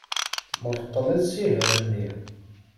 Nebṭel asihaṛ-nni.